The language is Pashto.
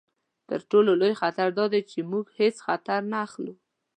تر ټولو لوی خطر دا دی چې موږ هیڅ خطر نه اخلو.